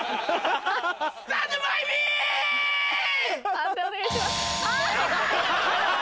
判定お願いします。